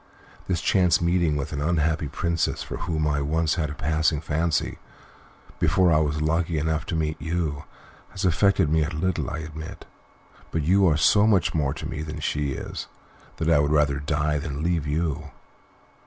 "This chance meeting with an unhappy princess for whom I once had a passing fancy, before I was lucky enough to meet you, has affected me a little, I admit, but you are so much more to me than she is that I would rather die than leave you."